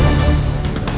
saya mau ke rumah